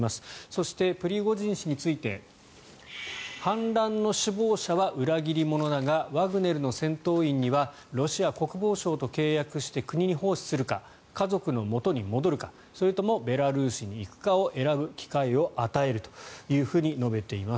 そして、プリゴジン氏について反乱の首謀者は裏切り者だがワグネルの戦闘員にはロシア国防省と契約して国に奉仕するか家族のもとに戻るかそれともベラルーシに行くかを選ぶ機会を与えると述べています。